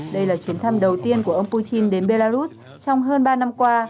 đây là chuyến thăm đầu tiên của ông putin đến belarus trong hơn ba năm qua